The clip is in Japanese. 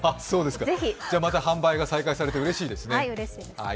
それじゃあ、また販売が再開されてうれしいですね。